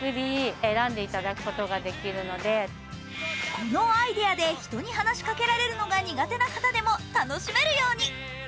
このアイデアで人に話しかけられるのが苦手な方でも楽しめるように。